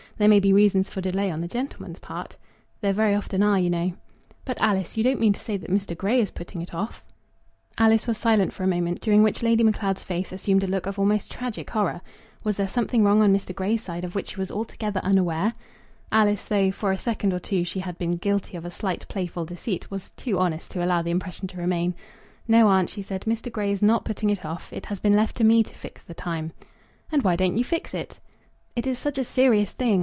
There may be reasons for delay on the gentleman's part." "There very often are, you know," "But, Alice, you don't mean to say that Mr. Grey is putting it off?" Alice was silent for a moment, during which Lady Macleod's face assumed a look of almost tragic horror. Was there something wrong on Mr. Grey's side of which she was altogether unaware? Alice, though for a second or two she had been guilty of a slight playful deceit, was too honest to allow the impression to remain. "No, aunt," she said; "Mr. Grey is not putting it off. It has been left to me to fix the time." "And why don't you fix it?" "It is such a serious thing!